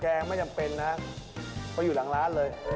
ไม่จำเป็นนะเพราะอยู่หลังร้านเลย